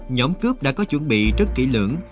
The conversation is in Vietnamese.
nhóm cướp đã có chuẩn bị rất kỹ lưỡng